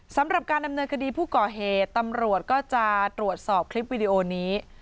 สำหรับการดำเนินคดีผู้ก่อเหตุตำรวจก็จะตรวจสอบคลิปวิดีโอนี้